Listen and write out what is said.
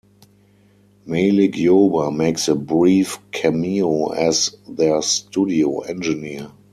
Malik Yoba makes a brief cameo as their studio engineer.